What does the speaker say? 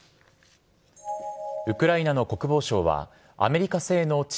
ウクライナの国防相はアメリカ製の地